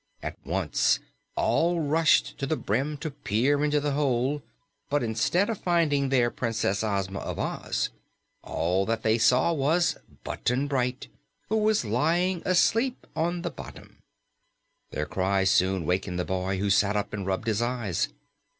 At once, all rushed to the brim to peer into the hole, but instead of finding there Princess Ozma of Oz, all that they saw was Button Bright, who was lying asleep on the bottom. Their cries soon wakened the boy, who sat up and rubbed his eyes.